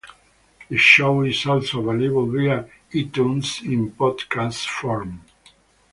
The show is also available via iTunes in podcast form.